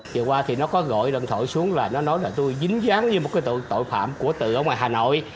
chưa qua thì nó có gọi lần thổi xuống là nó nói là tôi dính dáng như một tội phạm của tự ở ngoài hà nội